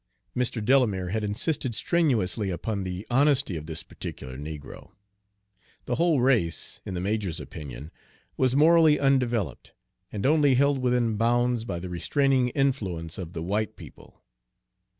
Mr. Delamere had insisted strenuously upon the honesty of this particular negro. The whole race, in the major's opinion, was morally undeveloped, and only held within bounds by the restraining influence of the white people.